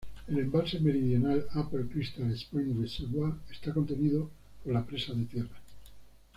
El embalse meridional, "Upper Crystal Springs Reservoir", está contenido por la presa de tierra.